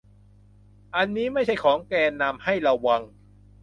อันนี้ไม่ใช่ของแกนนำ ให้ระวัง